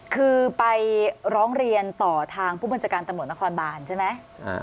คือไปร้องเรียนต่อทางผู้บัญชาการตำรวจนครบานใช่ไหม